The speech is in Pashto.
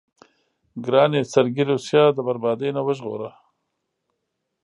ګرانه سرګي روسيه د بربادۍ نه وژغوره.